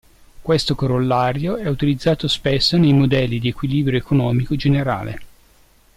Questo corollario è utilizzato spesso nei modelli di equilibrio economico generale.